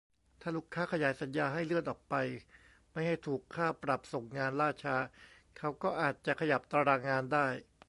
ถ้าลูกค้าขยายสัญญาให้ เลื่อนออกไปไม่ให้ถูกค่าปรับส่งงานล่าช้า เขาก็อาจจะขยับตารางงานได้